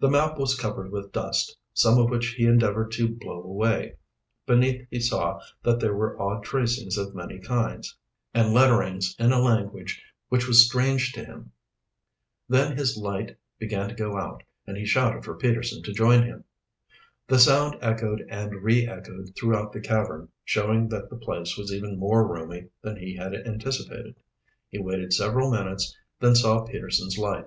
The map was covered with dust, some of which he endeavored to blow away. Beneath he saw that there were odd tracings of many kinds, and lettering's in a language which was strange to him. Then his light began to go out and he shouted for Peterson to join him. The sound echoed and re echoed throughout the cavern, showing that the place was even more roomy than he had anticipated. He waited several minutes, then saw Peterson's light.